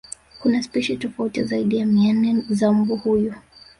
Kuna spishi tofauti zaidi ya mia nne za mbu huyu